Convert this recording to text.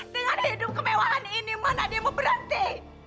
dengan hidup kemewahan ini ma nadia mau berhenti